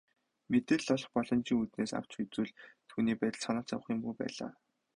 Мэдээлэл олох боломжийн үүднээс авч үзвэл түүний байдалд санаа зовох юмгүй байлаа.